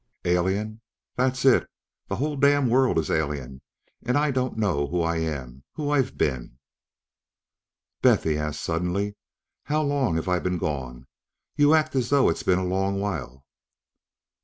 Alien! That's it! The whole damned world is alien, and I don't know who I am, who I've been... "Beth?" He asked suddenly, "how long have I been gone? You act as though it's been a long while..."